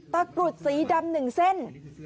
ตะกรุดสีดำหนึ่งเส้น